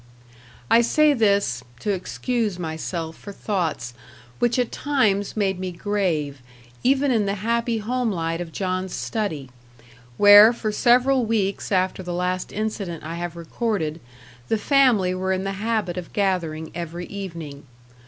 I say this, to excuse myself for thoughts, which at times made me grave even in the happy home light of John's study; where, for several weeks after the last incident I have recorded, the family were in the habit of gathering every evening.